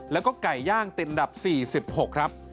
แล้วก็ไก่ย่างติดอันดับ๔๖ครับ